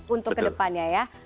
untuk kedepannya ya